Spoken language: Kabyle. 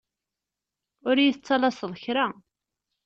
Ur yi-tettalseḍ kra.